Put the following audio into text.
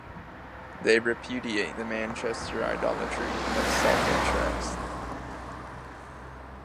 They repudiate the Manchester idolatry of self-interest.